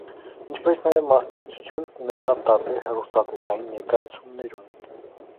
Ինչպես նաև մասնակցություն ունեցավ տարբեր հեռուստատեսային ներկայացումներում։